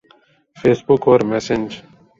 face بک اور messenger